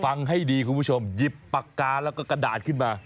ฟังให้ดีคุณผู้ชมหยิบปากกาแล้วก็กระดาษขึ้นมา